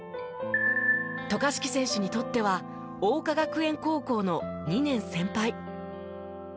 渡嘉敷選手にとっては桜花学園高校の２年先輩。